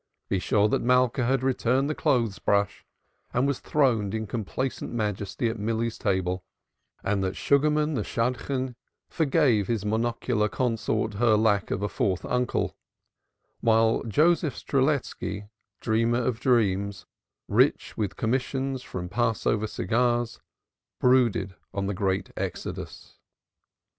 Be sure that Malka had returned the clothes brush, and was throned in complacent majesty at Milly's table; and that Sugarman the Shadchan forgave his monocular consort her lack of a fourth uncle; while Joseph Strelitski, dreamer of dreams, rich with commissions from "Passover" cigars, brooded on the Great Exodus.